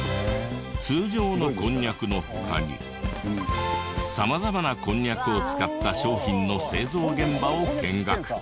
通常のこんにゃくの他に様々なこんにゃくを使った商品の製造現場を見学。